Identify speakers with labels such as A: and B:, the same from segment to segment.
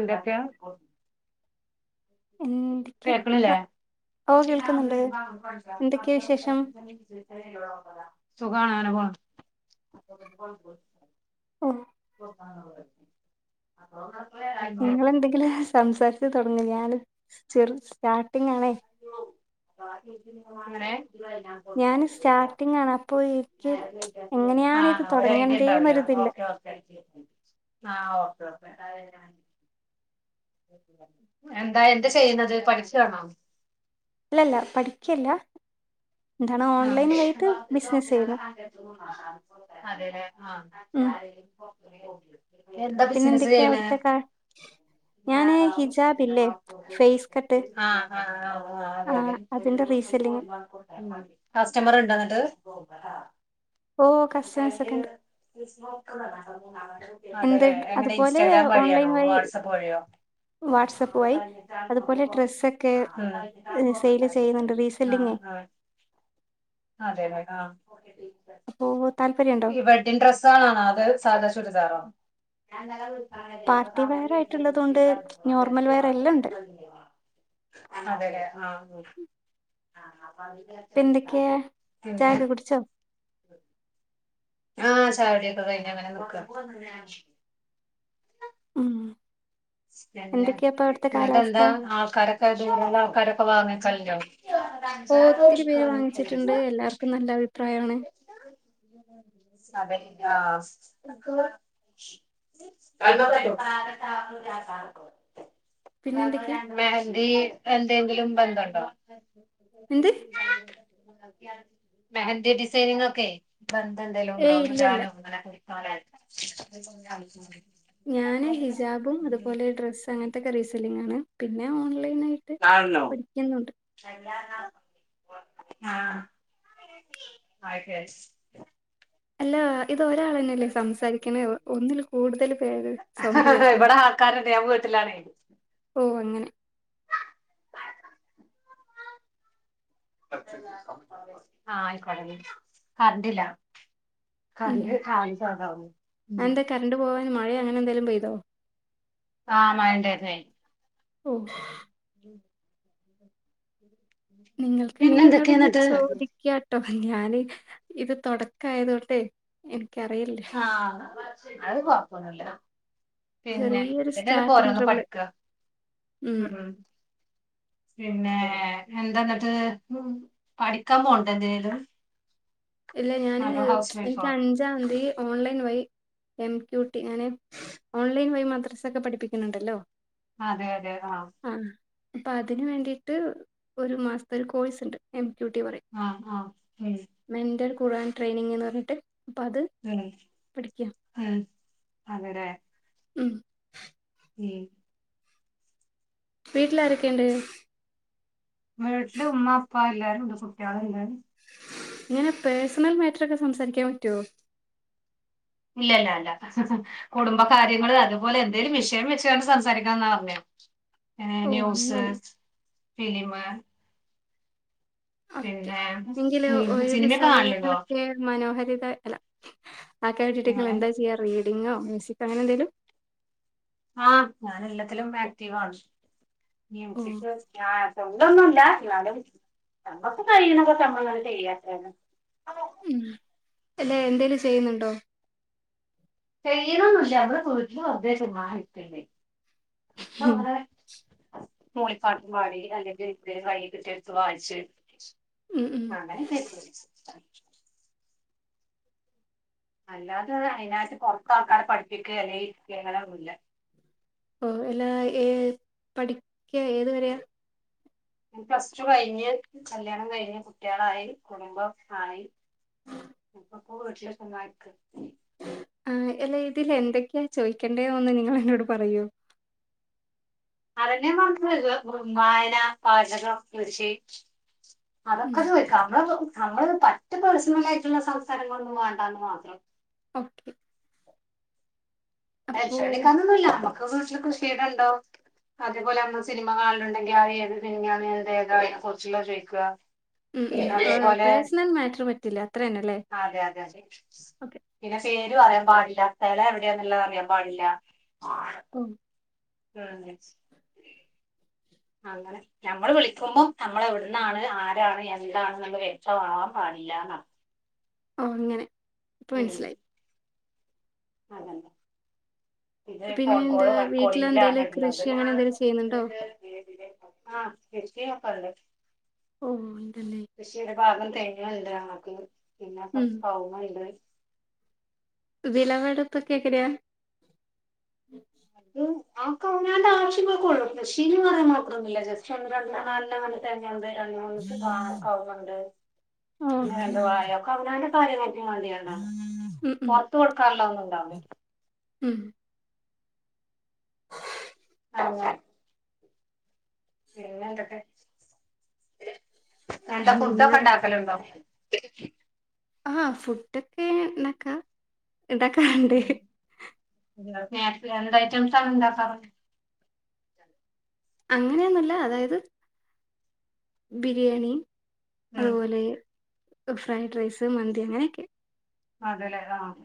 A: എന്തൊക്കെയാ
B: ഉം
A: കേക്കണില്ലേ
B: എന്തൊക്കെയാ വിശേഷം
A: സുഖാണ് അങ്ങനെ പോണ്
B: ഓ നിങ്ങളെന്തെങ്കിലും സംസാരിച്ചു തൊടങ്ങൂ ഞാന് ചെറു സ്റ്റാർട്ടിങ്ങാണേ
A: എങ്ങനെ
B: ഞാന് സ്റ്റാർട്ടിങ്ങാണ് അപ്പോ ഇനിക്കി മച്ചും എങ്ങനെയാണ് ഇത്
A: ആഹ് ഒരു ഐഡിയ
B: തുടങ്ങണ്ടേന്നരുതില്ല
A: ആഹ് ഓക്കെ ഓക്കെ [unintelligible] എന്താ എന്താ ചെയ്യുണ്ത് പഠിക്കാണോ
B: അല്ലല്ല പഠിക്കിയല്ല
A: ആഹ്
B: ബിസിനസ് ചെയ്യുന്നെ
A: അപൊ [unintelligible] അതെ ലേ
B: ഉം
A: ആഹാ എന്താ
B: പിന്നെ
A: ബിസിനസ്
B: എന്തൊക്കെയാ
A: ചെയ്യണേ
B: അവിടുത്തെ കാ
A: [unintelligible]
B: ഞാന് ഹിജാബ് ഇല്ലേ ഫേസ് കട്ട്
A: ആഹ് ആഹ്
B: ആ
A: അതെ തെ
B: അതിന്റെ റീസെല്ലിങ്
A: കസ്റ്റംമർ ഇണ്ടാ ന്നട്ട്
B: ഓ
A: ന്നട്ട്
B: കസ്റ്റമേഴ്സ് ഒക്കെ
A: അയില്
B: ഉണ്ട്
A: ക്രിസ്മോക്കൻ്റെ [unintelligible] അതെ
B: എന്ത്
A: ലെ എങ്ങനെ
B: അതുപോലെ
A: ഇൻസ്റ്റാഗ്രാം വഴിയാണോ
B: ഓൺലൈൻ വഴി
A: വാട്സആപ്പ് വഴിയോ
B: വാട്സപ്പ്
A: ഉം
B: വഴി അതുപോലെ ഡ്രസ്സൊക്കെ
A: ആഹ്
B: സെയിൽ ചെയ്യുന്നുണ്ട് റീസെല്ലിങ്ങേ
A: ആഹ് അതെ അതെ ആഹ്
B: അപ്പോ താല്പര്യണ്ടോ
A: ൻ ഡ്രസ്സാളാണോ അതോ സാദാ ചുരിദാറോ
B: പാർട്ടി വെയർ ആയിട്ടുള്ളതുണ്ട്
A: [unintelligible]
B: നോർമൽ വെയർ എല്ലാം
A: പതരെക്കൊ
B: ഉണ്ട്
A: കഴിഞ്ഞു ആഹ് അതെ ല്ലെ ആഹ് ഉം
B: ഇപ്പൊ എന്തെക്കെയാ ചായക്കെ കുടിച്ചോ
A: ഉം ആഹ് ചായുടിക്കെ കഴിഞ്ഞങ്ങനെ നിക്കാ
B: ഉം
A: പിന്നെ
B: എന്തൊക്കെയാപ്പ അവിടുത്തെ
A: ന്നിട്ട്
B: കാലാവസ്ഥ
A: എന്താ ആൾക്കാരൊക്കെ ദൂരള്ള ആൾക്കാരൊക്കെ വാങ്ങിക്കൽണ്ടോ
B: ഓഹ് ഒത്തിരി പേര് വാങ്ങിച്ചിട്ട്ണ്ട് എല്ലാർക്കും നല്ല അഭിപ്രായാണ്
A: സബെയ്ൻ ആഹ്
B: പിന്നെ എന്തൊക്കെ
A: [unintelligible] മെഹന്ദി എന്തെങ്കിലും ബന്ധണ്ടോ
B: എന്ത്
A: മെഹന്ദി ഡിസൈനിങ്ങൊക്കെ ബന്തന്തെലും ഉണ്ടോ
B: ഏയ് ഇല്ല ഇല്ല
A: ഇടാനോ അങ്ങനെ [unintelligible]
B: ഞാന് ഹിജാബും അതുപോലെ ഡ്രസ്സ് അങ്ങൻത്തെക്കെ റീസെലിംഗാണ് പിന്നെ ഓൺലൈൻ ആയിട്ട്
A: കാൺണ്ണോ ആഹാ അയ്ശരി
B: അല്ലാ ഇത് ഒരാളെന്നെയല്ലേ സംസാരിക്കിണേ ഒന്നിൽ കൂടുതല് പേര് സൗണ്ട് കേൾക്ണ്
A: ഇവിടെ ആൾക്കാരുണ്ട് ഞാൻ വീട്ടിലാണേ
B: ഓഹ് അങ്ങനെ
A: ആഹ് ആയിക്കോട്ടെ കറണ്ടില്ല
B: ഉം
A: കര്ൻ്റ് [unintelligible] ഉം
B: ര്ണ്ട് പോവാൻ മഴെ അങ്ങനെന്തെലും പെയ്തോ
A: ആഹ് മയണ്ടെർന്നേ
B: ഓഹ്
A: ഉം
B: നിങ്ങൾക്ക്
A: പിന്നെ
B: ആണെങ്കീ എന്നോട്
A: എന്തൊക്കെയാ
B: ന്തെം
A: എന്നിട്ട്
B: ചോദിക്ക്യ ഹ് ഞാന് ഇത് തുടക്കായതോണ്ടെ എനിക്കറിയില്ല ട്ടോ
A: ആഹ് അത് കൊഴപ്പൊന്നുല്ല പിന്നെ
B: ചെറിയൊരു
A: ന്നട്ടല്ലേ പ്പോ
B: സ്റ്റാർട്ടിങ്
A: ഓരോന്ന്
B: ട്രബിള്
A: പഠിക്കാ
B: ഉം
A: ഉ പിന്നെ എന്താ ന്നട്ട് പഠിക്കാം പോവ്ണ്ടോ ന്തേനേലും
B: ഇല്ല ഞാന് എനിക്ക്
A: വൈഫോ
B: അഞ്ചാംന്തി ഓൺലൈൻ വഴി എം ക്യൂ ടി ഞാന് ഓൺലൈൻ വഴി മദ്രസക്കെ പഠിപ്പിക്കുന്നുണ്ടല്ലോ
A: ആ അതെ അതെ ആവ്
B: ആ പ്പ അതിന് വേണ്ടിട്ട് ഒരു മാസ്ത്തെ ഒരു കോഴ്സ്ണ്ട് എംബ്യുട്ടീ പറയും.
A: ആഹ് ആഹ് ഉം
B: മെന്റർ കുറാൻ ട്രെയിനിങ്ന്നറഞ്ഞിട്ട് പ്പഅത്
A: ഉം ആ അതേലെ?
B: ഉം
A: ഉം
B: വീട്ടിലാരാക്കെണ്ട്?
A: വീട്ടില് ഉമ്മ ഉപ്പ എല്ലാരുണ്ട് കുട്ടികള് എല്ലാരുണ്ട്
B: ങ്ങനെ പേഴ്സണൽ മാട്രോക്കെ സംസാരിക്കാൻ പറ്റുവോ?
A: ഇല്ലല്ല അല്ല കുടുംബ കാര്യങ്ങള് അതുപോലെ എന്തെലും വിഷയം വെച്ചുകണ്ട് സംസാരിക്കാന്നാ പറഞ്ഞെ. ഏ
B: ഓ
A: ന്യൂസ്,
B: അങ്ങനെ
A: ഫിലിമ്
B: ഓക്കെ
A: പിന്നെ
B: എങ്കില്
A: ഉം
B: ഒഴിവ്
A: സിനിമയൊക്കെ കാണലുണ്ടോ
B: സമയങ്ങളക്കെയോ? മനോഹരിത അല്ല ആക്കാൻ വേണ്ടിട്ട്
A: നിങ്ങള്
B: ങ്ങളെന്താ ചെയ്യ റീഡിങ്ങോ മ്യൂസിക്കോ അങ്ങനെന്തേലും?
A: ആ ഞാൻ എല്ലാത്തിലും ആക്റ്റീവാണ്
B: ഓ
A: മ്യുസിക് ആ സ്വന്തോന്നുല്ല ന്നാലും നമ്മക്ക് കഴിയണപോൽക്കെ നമ്മളങ്ങ് ചെയ്യ അത്രന്നെ.
B: ഉം എന്തെ എന്തേലും ചെയ്യ്ന്നുണ്ടോ?
A: ചെയ്യണൊന്നുല്ല നമ്മള് വീട്ടില് വെറുതെ ചുമ്മാ ഇരിക്കല്ലേ
B: ഉം
A: അപ്പവോരെ മൂളിപ്പാട്ടും പാടി അല്ലെങ്കി എഴ്ത്ത് കയ്യ്കിട്ട്യട്ത്ത് വായ്ച്ച്
B: ഉം ഉം
A: അങ്ങനെ [unintelligible] അല്ലാതെ അയ്നാറ്റ് പൊർത്ത് ആൾക്കാരെ പഠിപ്പിക്കേ അല്ലെയി ഇങ്ങനൊന്നുല്യ
B: ഓ എല്ലാ ഏ പഠിക്കെ ഏതു വരെയ?
A: പ്ലസ് ടു കഴിഞ്ഞ് കല്യാണം കഴിഞ്ഞ് കുട്ടിളായി കുടുംബം ആയി. അപ്പപ്പോ വീട്ടിലിരുന്നയക്ക്.
B: ആ അല്ലേ ഇതിലെന്തക്കെയാ ചോയിക്കണ്ടേ ഒന്ന് നിങ്ങളെന്നോട് പറയോ?
A: അതന്ന ഞാം പറഞ്ഞത് വായന, പാചകം, കൃഷി
B: ഉം
A: അതൊക്ക ചോയിക്കാം നമ്മള് നമ്മള പറ്റെ പേഴ്സണലായിട്ടുള്ള സംസാരങ്ങളൊന്നും വാണ്ടാന്ന് മാത്രം.
B: ഓക്കെ. അപ്പോ
A: ടെൻഷനടിക്കാനൊന്നുല്ല അമ്മക്ക് വീട്ടില് കൃഷീടണ്ടോ? അതേപോലെയാണ് സിനിമ കാണുണ്ടെങ്കി അയ് ഏത് സിനിമയാണ് അത് ഏതാ അതിനെകുറിച്ചുള്ള ചോയിക്ക.
B: ഉം ഉം
A: അതേപോലെ
B: പേഴ്സണൽ മാറ്റർ പറ്റില്ല അത്ര തന്നെ അല്ലേ
A: അതെ അതെ
B: ഓക്കെ
A: പിന്നെ പേര് പറയാൻ പാടില്ല സ്ഥല എവിടെയാന്നുള്ളതറിയൻ പാടില്ല.
B: ഉം
A: [unintelligible] അങ്ങനെ. ഞമ്മള് വിളിക്കുമ്പോ നമ്മളെവിടുന്നാണ് ആരാണ് എന്താണ്ന്നുള്ള വ്യക്തമാവാൻ പാടില്ലാന്നർത്
B: ഓ അങ്ങനെ
A: ഉം
B: ഇപ്പൻസ്സിലായി.
A: അങ്ങനെ. ഇത്
B: പിന്നെ
A: ഫോൺ
B: എന്താ
A: കോള്
B: വീട്ടിലെന്തേലും
A: റെക്കോർഡിങ്ങിലാണ്ള്ളത്.
B: കൃഷി അങ്ങനെ എന്തേലും ചെയ്യുന്നുണ്ടോ
A: ആ കൃഷി ഒക്കെ ണ്ട്
B: ഓ ണ്ട്ല്ലേ?
A: കൃഷിടെ ഭാഗം തെങ്ങ്ൾണ്ട് ഞങ്ങക്ക് പിന്നെ
B: ഉം
A: കൊർച്ച് കവുങ്ങൾണ്ട്.
B: വിളവെടുപ്പക്കെങ്ങനെയാ?
A: ഉം അവൊക്കെ അവനാന്റെ ആവശ്യങ്ങൾക്കൊള്ളൂ കൃഷിന്ന് പറയാൻ മാത്രന്നുല്ല ജസ്റ്റ് ഒന്ന് രണ്ടണ്ണം നാലണ്ണങ്ങാണ്ട്. തെങ്ങണ്ട് രണ്ട് മൂന്നൂക്കെ വാ കവുങ്ങ്ണ്ട് പിന്നെ
B: ഓക്കെ
A: രണ്ട് വാഴ ഒക്കവ്നാന് കാര്യങ്ങൾക്കും മാണ്ടിങ്ങാണ്ട
B: ഉം ഉം
A: പൊർത്ത് കൊടുക്കാനുള്ളത് ന്നുണ്ടാവ് ല
B: ഉം
A: [unintelligible] പിന്നെ എന്തൊക്കെ എന്താ
B: നിങ്ങ
A: ഫുഡൊക്കെ ഉണ്ടാക്കലുണ്ടോ
B: ആഹ് ഫുഡൊക്കെ ഇണ്ടൊക്ക ഇണ്ടാക്കാർണ്ട്
A: അഹ് നേരത്തെ എന്ത ഐറ്റംസാ ഇണ്ടാക്കാ
B: അങ്ങനെയൊന്നുല്ല അതായത് ബിരിയാണി
A: ഉം
B: അതുപോലെ ഫ്രൈഡ് റൈസ് മന്തി അങ്ങനെയൊക്കെ
A: അതല്ലെ ആഹ്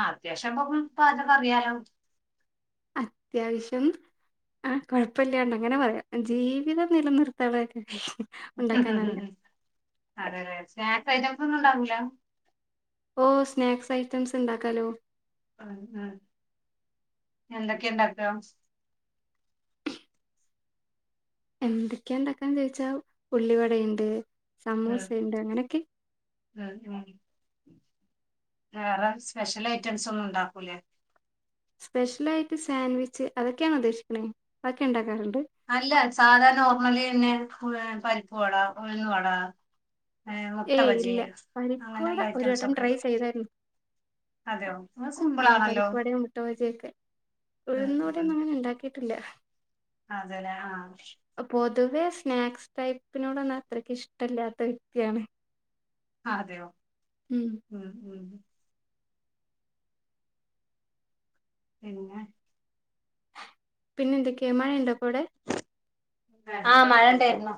A: ആഹ് അത്യാവശ്യം ഇന്ന ഇപ്പ പാചകറിയാലോ
B: അത്യാവശ്യം ആഹ് കുഴപ്പല്ലാണ്ട് അങ്ങനെ പറയാം ജീവിതം നിലനിർത്താനൊക്കെ കഴും
A: അതെ അതെ സ്നാക്സ് ഐറ്റംസ് ഒന്നും ഉണ്ടാക്കുല
B: ഓ സ്നാക്സ് ഐറ്റംസ് ഉണ്ടാക്കാലോ
A: ഉം ഉം എന്തൊക്കെണ്ടാക്ക
B: എന്തൊക്കെയാണ്ടാക്കാന്ന് ചോയിച്ചാ ഉള്ളിവടണ്ട്
A: ഉം
B: സമൂസയിണ്ട് അങ്ങനെയൊക്കെ
A: ഉം ഉം വേറെ സ്പെഷ്യൽ ഐറ്റംസ് ഒന്നും ഉണ്ടാക്കൂലേ
B: സ്പെഷ്യൽ ആയിട്ട് സാൻവിച്ച് അതൊക്കെയാണ ഉദ്ദേശിക്ക്ണ അതൊക്കെ ഇണ്ടാക്കാറുണ്ട്
A: അല്ല സാധാ നോർമ്മലന്നെ പരിപ്പ് വട ഉഴുന്ന് വട ഏഹ് മുട്ട
B: ഏയ്
A: ബജി
B: ഇല്ല പരിപ്പ് വട
A: അങ്ങനെയുള്ള
B: ഒരു
A: ഐറ്റംസ്
B: വട്ടം
A: ഒക്കെ
B: ട്രൈ ചെയ്തരുന്നു
A: അതെയോ സിമ്പിൾ
B: ആഹ്
A: ആണല്ലോ
B: പരിപ്പവടേം മുട്ടബജിയൊക്കെ
A: ഉം
B: ഉഴുന്ന് വടയോന്നും അങ്ങനെ ഇണ്ടാക്കിട്ടില്ല
A: അതല്ലെ ആഹ്
B: പൊ പൊതുവേ സ്നാക്സ് ടൈപ്പിനോടൊന്നും അത്രക്ക് ഇഷ്ടല്ലാത്ത വ്യക്തിയാണ്
A: ആഹ് അതെയോ
B: ഉം
A: ഉം ഉം പിന്നേ
B: പിന്നെ എന്തൊക്കെ മയ ഉണ്ടോ പ്പവിടെ
A: ആഹ് മഴ ഉണ്ടായിരുന്നു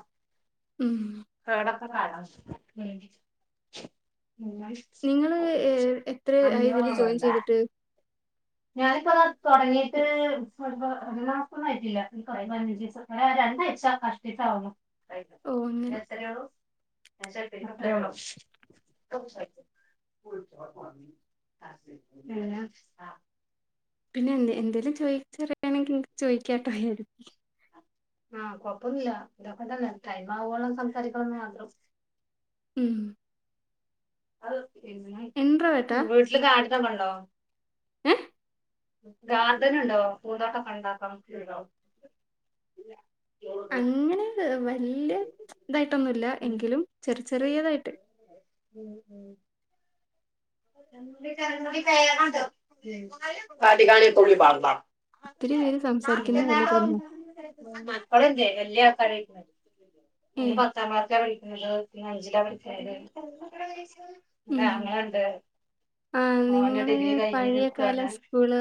B: ഉം
A: [unintelligible]
B: നിങ്ങള് എത്ര ആഹ് ഇതില് ജോയിൻ ചെയ്തിട്ട്
A: ഞാനിപ്പ അത് തുടങ്ങിയിട്ട് രണ്ട് മാസോന്നും ആയിട്ടില്ല [unintelligible] ഒരു രണ്ടാഴ്ച കഷ്ടിട്ടാവുന്നു
B: ഓ അങ്ങനെ
A: [inaudible] [unintelligible]
B: പിന്നെ എന്ത എന്തെലും ചോദിച്ചറിയാണെങ്കിൽ ചോദിക്കാട്ടോ
A: ആഹ് കൊപ്പന്നില്ല ഇതൊക്ക തന്ന ടൈമാവോളം സംസാരിക്കളന്നെ അഹ്
B: ഉം
A: ഉം
B: ഇൻട്രോവേർട്ടാ
A: വീട്ടില് [unintelligible]
B: ഏഹ്
A: ഗാർഡൻ ഉണ്ടാവോ പൂന്തോണ്ടാക്കണ്ടോ
B: അങ്ങനെ വലിയ ഇതായിട്ടൊന്നുല്ല
A: ഉം
B: എങ്കിലും ചെർ ചെർതായിട്ട്
A: ഉം ഉം [unintelligible] [unintelligible]
B: ഒത്തിരി പേര്
A: ആഹ്
B: സംസാരിക്കുന്ന പോലെ തോന്നുന്നു
A: മക്കളില്ലേ വല്യ ആൾക്കാര്
B: ഏഹ്
A: തമാശ കളിക്കുന്നത് പിന്നെ അഞ്ചിലാ പിന്നേ
B: ഉം
A: ആങ്ങളണ്ട്
B: ആഹ്
A: ഓന്
B: നിങ്ങളെ
A: ഡിഗ്രി കഴിഞ്ഞ്
B: പഴയകാല
A: നിക്കാണ്
B: സ്കൂള്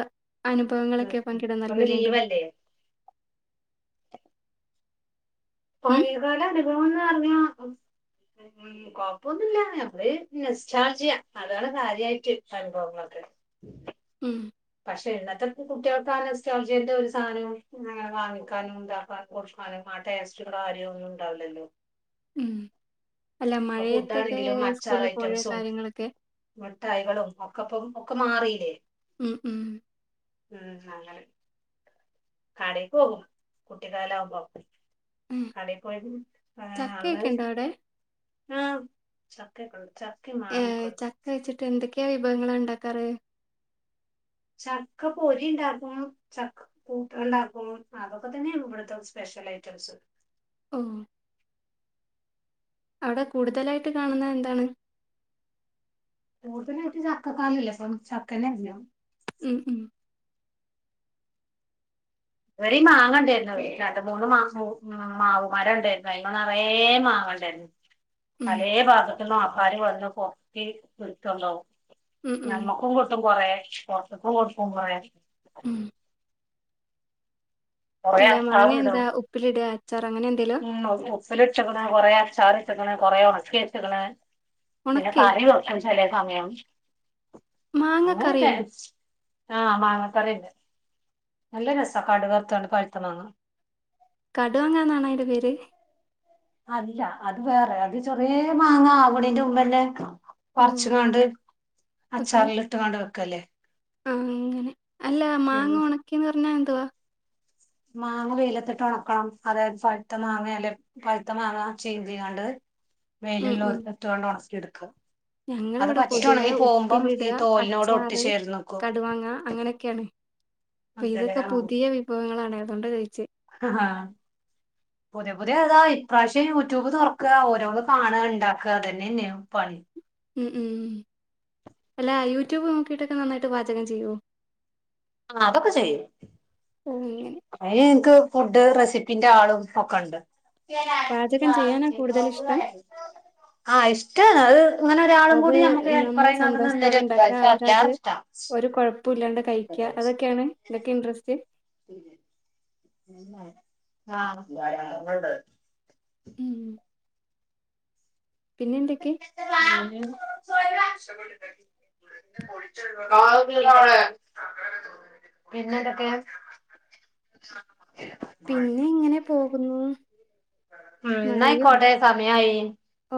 B: അനുഭവങ്ങളൊക്കെ പങ്കിടാൻ
A: ഇപ്പൊന്ന്
B: താല്പര്യണ്ടോ
A: ലീവല്ലേ
B: ഉം
A: പഴയകാല അനുഭവം എന്ന് പറഞ്ഞ കൊഴപ്പൊന്നുല്ല നമ്മള് നൊസ്റ്റാൾജിയ അതാണ് കാര്യയിട്ട് അനുഭവങ്ങക്കെള്ള
B: ഉം
A: പക്ഷെ ഇന്നെത്തെ കുട്ട്യേൾക്കാ നൊസ്റ്റാൾജിയെന്റെ ഒര് സാനവും വാങ്ങിക്കാനും താക്കാ [unintelligible] ആഹ് ടേസ്റ്റും കാര്യോ ഒന്നുംണ്ടാവൂലല്ലോ
B: ഉം അല്ല
A: ഫുഡ്
B: മഴയത്തെക്കെ
A: ആണെങ്കിലും അച്ചാർ
B: സ്കൂള്ല് പോഴ
A: ഐറ്റംസും
B: കാര്യങ്ങളൊക്കെ
A: മിഠായികളും ഒക്കെപ്പൊ ഒക്കെ മാറീലേ
B: ഉം ഉം
A: ഉം അങ്ങനെ കടേക്ക് പോകും കുട്ടിക്കാലാവുമ്പം
B: ഉം
A: കടീപോയി ഏഹ് അന്ന്
B: ചക്കയൊക്കെ ഉണ്ടോ അവിടെ
A: ആഹ് ചക്കെക്കെണ്ട് ചക്കിം മാങ്ങ്യൊക്കൊ
B: ക്ക വെച്ചിട്ട് എന്തൊക്കെ വിഭവങ്ങളാ ണ്ടാക്കാറ്
A: ചക്ക പൊരിണ്ടാക്കും ചക്ക് കൂട്ടാണ്ടാക്കും അതൊക്കെ തന്നെയാണ് ഇബെട്ത്തെ സ്പെഷ്യെലയ്റ്റംസ്
B: ഓഹ് അവ്ടെ കൂട്തലായിട്ട് കാണ്ന്നെ എന്താണ്
A: കൂട്തലായ്ട്ട് ചക്കക്കാലല്ലേപ്പം ചക്കെന്നെ [unintelligible]
B: ഉം ഉം
A: ഇത് വരിം മാങ്ങേണ്ടേര്ന്നു രണ്ട് മൂന്ന് മാസം ഉം മാവ് മരണ്ടേയേര്ന്നു അയ്മെ നറേ മാങ്ങണ്ടായ്ര്ന്നു
B: ഉം
A: പലേ ഭാഗെത്തുന്നും ആൾക്കാര് വെന്ന് പൊർക്കി ഇട്ത്തൊണ്ടോവും
B: ഉം ഉം
A: ഞമ്മക്കും ക് ട്ടും കാെറേ പൊർത്ത്ക്കും കൊട്ക്കും കൊറേ
B: ഉം
A: കൊറേ
B: അല്ല മാങ്ങ
A: അച്ചാറും ഇടും
B: എന്താ ഉപ്പിലിടാ അച്ചാറ് അങ്ങെനെ എന്തേലും
A: ഉം ഉപ്പിലിട്ട്ക്ക്ണ് കൊറേ അച്ചാറ്ട്ട്ക്ക്ണ് കൊറേ ഒൺക്ക്യെച്ച്ക്ക്ണ് പിന്നെ
B: ഉണക്കേ
A: കറി വെ ക്കും ചെലേ സമയം
B: മാങ്ങ
A: അങ്ങെനാെക്കേ
B: കറിയോ
A: ആഹ് മാങ്ങാ കറിണ്ട് നല്ല രസാ കട്ക്ർത്താണ്ട് പഴ്ത്ത മാങ്ങ
B: കടുവാങ്ങാന്നാണ് അയ്ന്റെ പേര്
A: അല്ല അത് വേറെ അത് ചെറ്യേ മാങ്ങ ആവ്ണേന്റെ മുമ്പെന്നെ
B: ഓ
A: പർച്ച്കാണ്ട് അച്ചാർലിട്ട്ങ്ങാണ് വെക്കെല്ലേ
B: ആഹ് അങ്ങനെ അല്ല മാങ്ങ ഒണക്കീന്നർഞ്ഞാ എന്തുവാ
A: മാങ്ങ വെയ്ലത്ത്ട്ട് ഒണക്കണം അതായത് പഴ്ത്ത മാങ്ങേലെ പഴ്ത്ത മാങ്ങ ചീന്തിയാണ്ട് വെയില്‌ല്ലോട്ത്ത് ഇട്ട്കാണ്ട് ഒണെക്കിയെട്ക്കാ
B: ഞങ്ങള്‌വ്ടെ പൊതുവേ
A: ഈ
B: ഉപ്പിലിടാ
A: തോലിനോട് ഒട്ടി
B: അച്ചാറ്
A: ചേർന്ന്ക്കും
B: കടുമാങ്ങ അങ്ങെനെ ക്കേണ് പ്പ
A: അതല്ലേ
B: ഇതൊക്കെ പുതിയ
A: ആഹ്
B: വിഭവങ്ങളാണ് അതോണ്ടാ ചോയ്ച്ചെ
A: ആഹ് പുത്യെ പുത്യേ അതാ ഇപ്രാവശ്യം യൂടൂബ് തൊർക്കാ ഓരോന്ന് കാണാ ണ്ടാക്ക അതെന്നെന്നെ പണി
B: ഉം ഉം അല്ലാ യൂടൂബ് നോക്കീട്ടൊക്കെ നന്നായിട്ട് പാചകം ചെയ്യാേ?
A: ആഹ് അതൊക്കെ ചെയ്യും
B: ഓഹ് അങ്ങെനെ
A: അയ്ന് ഇൻക്ക് ഫുഡ്ഡ് റെസിപ്പിന്റെ ആളും ഒക്കെണ്ട്
B: പാചകം ചെയ്യാനാ കൂടുതൽ ഇഷ്ടം
A: ആഹ് ഇഷ്ടാ അത് ഇങ്ങെനെ ഒരാളും
B: അത്
A: കൂടി ഞമുക്ക്
B: നമ്മള്
A: ഹെൽപ്പറായിങ്ങാണ്ട്
B: സന്തോഷത്തോടെ
A: നിന്നെരാച്ചാല് അതിലേറെഷ്ടാ
B: പ്പുല്ലാണ്ട് കഴിക്കാ അതൊക്കേണ് ങ്ങക്ക് ഇൻട്രെസ്റ്റ്
A: ആഹ്
B: ഉം പിന്നെ എന്തെക്കെ
A: [unintelligible] [unintelligible] പിന്നെന്തെക്കേ
B: പിന്നെ ഇങ്ങെനെ പോകുന്നൂ
A: ഉം ന്നായ്ക്കോട്ടെ സമയായി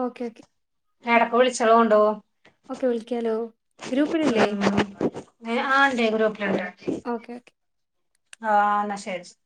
B: ഓക്കെ ഓക്കെ
A: എടെക്ക് വിളിച്ചാേളോണ്ടൂ
B: ഓക്കെ വിളിക്കാലോ ഗ്രൂപ്പിലില്ലേ
A: ഉം ഏഹ് ആഹ് ണ്ടേ ഗ്രുപ്പ്ല്ണ്ട്
B: ഓക്കെ ഓക്കെ
A: ആഹ് ന്നാ ശെരി ശെരി.